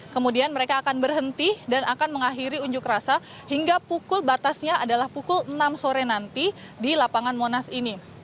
kemudian mereka akan berhenti dan akan mengakhiri unjuk rasa hingga pukul batasnya adalah pukul enam sore nanti di lapangan monas ini